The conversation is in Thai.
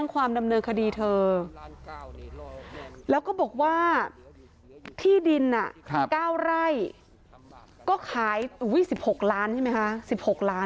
ก็ขาย๑๖ล้านใช่มั้ยคะ